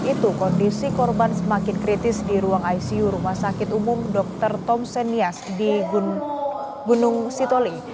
itu kondisi korban semakin kritis di ruang icu rumah sakit umum dr tomsenias di gunung sitoli